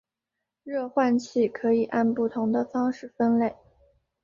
换热器可以按不同的方式分类。